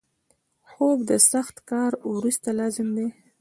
خوب د سخت کار وروسته لازم دی